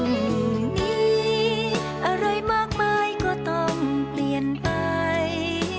ครูมีอะไรมากมายก็ต้องเปลี่ยนไป